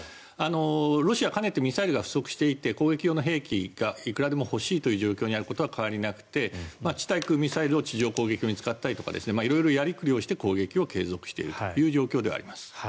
ロシアはかねてからミサイルが不足していて攻撃用のものがいくらでも欲しいという状況に変わりはなくて地対空ミサイルを地上攻撃用に使ったりとか色々やりくりをして攻撃を継続している状況です。